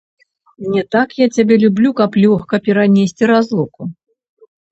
Не так я цябе люблю, каб лёгка перанесці разлуку.